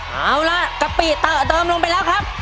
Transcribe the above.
เอาล่ะกะปิเตอะเติมลงไปแล้วครับ